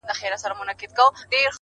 د دنیا حُسن له څلورو دېوالو نه وزي,